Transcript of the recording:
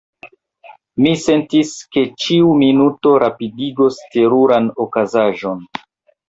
Mi sentis, ke ĉiu minuto rapidigos teruran okazaĵon.